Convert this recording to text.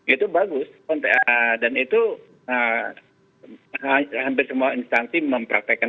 itu bagus dan itu hampir semua instansi mempraktekkan